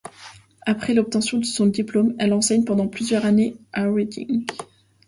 Après l'obtention de son diplôme, elle enseigne pendant plusieurs années à Reading.